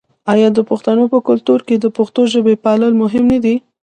آیا د پښتنو په کلتور کې د پښتو ژبې پالل مهم نه دي؟